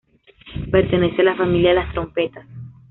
Pertenece a la familia de las trompetas.